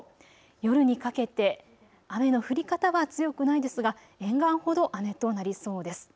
夜にかけて雨の降り方は強くないですが沿岸ほど雨となりそうです。